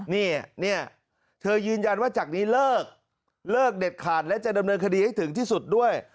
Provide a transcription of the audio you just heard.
เนี่ยเธอยืนยันว่าจากนี้เลิกเลิกเด็ดขาดและจะดำเนินคดีให้ถึงที่สุดด้วย